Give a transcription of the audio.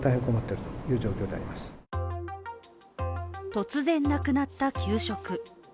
突然なくなった給食。